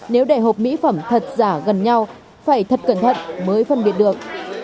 nếu để hộp mỹ phẩm thật giả gần nhau phải thật cẩn thận mới phân biệt được